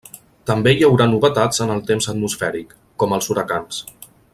També hi haurà novetats en el temps atmosfèric, com els huracans.